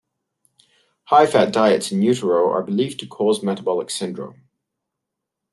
High fat diets in utero are believed to cause metabolic syndrome.